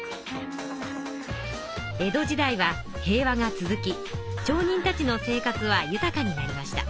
江戸時代は平和が続き町人たちの生活は豊かになりました。